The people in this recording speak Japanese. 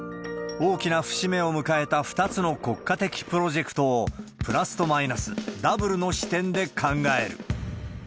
大きな節目を迎えた２つの国家的プロジェクトを、プラスとマイナス、ダブルの視点で考える。